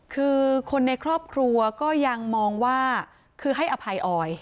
คือคนในครอบครัวก็ยังมองว่าคือให้อภัยออย